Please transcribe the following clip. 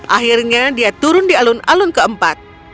akhirnya dia turun di alun alun keempat